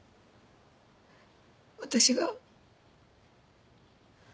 私が。